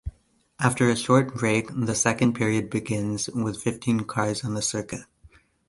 After a short break, the second period begins, with fifteen cars on the circuit.